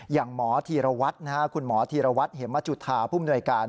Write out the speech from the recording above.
อย่างหมอธีรวัตรคุณหมอธีรวัตรเหมจุธาภูมิหน่วยการ